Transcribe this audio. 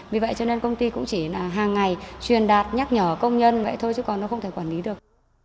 vì vậy cho nên công ty cũng chỉ là hàng ngày truyền đạt nhắc nhở công nhân vậy thôi chứ còn nó không thể quản lý được